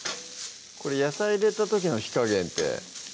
これ野菜入れた時の火加減って